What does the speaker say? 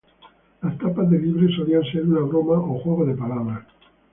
Las tapas de Libre solían ser una broma o juego de palabras.